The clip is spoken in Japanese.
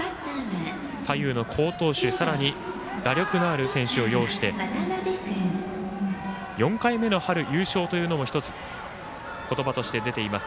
左右の好投手さらに打力のある選手を擁して４回目の春優勝というのも言葉として出ています。